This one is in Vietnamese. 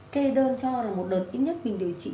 kê đơn cho là một đợt ít nhất mình điều trị